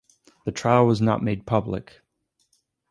The trial was not made public.